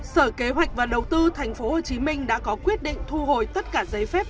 sở kế hoạch và đầu tư tp hcm đã có quyết định thu hồi tất cả giấy phép